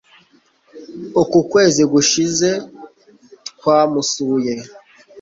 uko ukwezi gushize twamusuye.